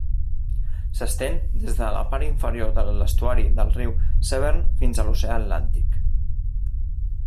S'estén des de la part inferior de l'estuari del riu Severn fins a l'oceà Atlàntic.